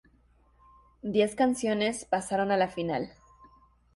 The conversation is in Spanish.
Diez canciones pasaron a la final.